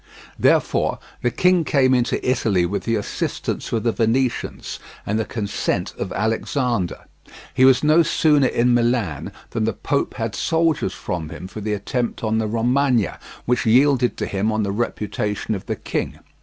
Therefore the king came into Italy with the assistance of the Venetians and the consent of Alexander. He was no sooner in Milan than the Pope had soldiers from him for the attempt on the Romagna, which yielded to him on the reputation of the king.